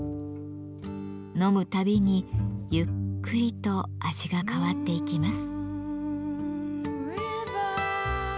飲むたびにゆっくりと味が変わっていきます。